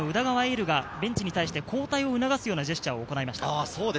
琉がベンチに対して交代を促すようなジェスチャーを行いました。